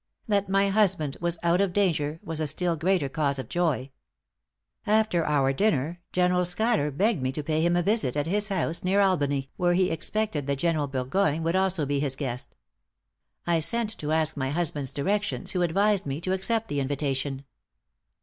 That my husband was out of danger, was a still greater cause of joy. After our dinner, General Schuyler begged me to pay him a visit at his house near Albany, where he expected that General Bur goyne would also be his guest. I sent to ask my husband's directions, who advised me to accept the invitation.